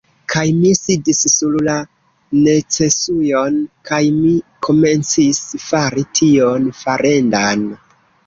Kaj mi sidis sur la necesujon, kaj mi komencis fari tion farendan.